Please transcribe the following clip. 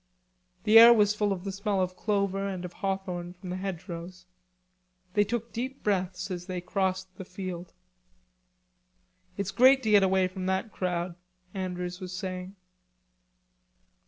The air was full of the smell of clover and of hawthorn from the hedgerows. They took deep breaths as they crossed the field. "It's great to get away from that crowd," Andrews was saying.